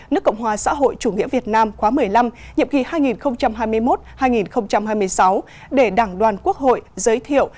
nước cộng hòa xã hội chủ nghĩa việt nam khóa một mươi năm nhiệm kỳ hai nghìn hai mươi một hai nghìn hai mươi sáu để đảng đoàn quốc hội giới thiệu